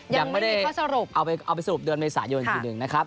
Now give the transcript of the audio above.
ยังไม่ได้ข้อสรุปเอาไปสรุปเดือนเมษายนอีกทีหนึ่งนะครับ